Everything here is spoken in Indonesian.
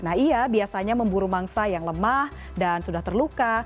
nah ia biasanya memburu mangsa yang lemah dan sudah terluka